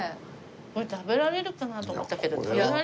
これ食べられるかなと思ったけど食べられますね。